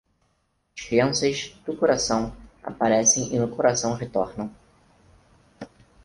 As crianças, do coração, aparecem e no coração retornam.